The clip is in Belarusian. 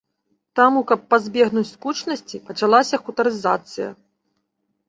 Таму, каб пазбегнуць скучанасці, пачалася хутарызацыя.